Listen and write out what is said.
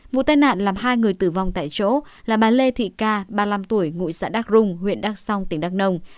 vụ tai nạn làm hai người tử vong tại chỗ là bà lê thị ca ba mươi năm tuổi ngụy xã đắc rung huyện đắc song tỉnh đắc nông